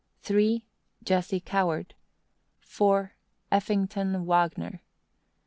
Jesse Coward. 4. Effington Wagner. 5.